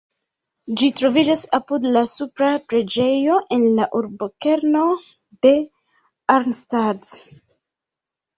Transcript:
Ĝi troviĝas apud la Supra preĝejo en la urbokerno de Arnstadt.